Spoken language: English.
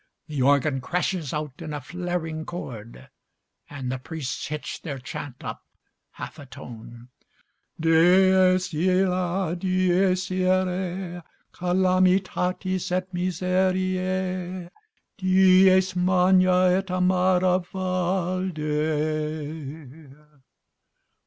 The organ crashes out in a flaring chord, And the priests hitch their chant up half a tone. 'Dies illa, dies irae, Calamitatis et miseriae, Dies magna et amara valde.'